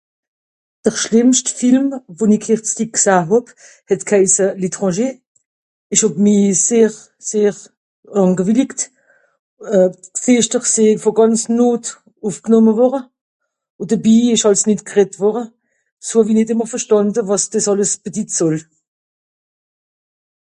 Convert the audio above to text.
dr schlìmmst Film wòn'i kìrzti g'sah hàb het g'heisse l'étranger esch hàb mi sehr sehr angewilligt euh (d'ferschter) seh vòn ganz nòot ùffgnòmme wàre ùn de bii esch àls nìt grett wòre sowie nìt ìmmer verstànde wàs des àlles bedit sòll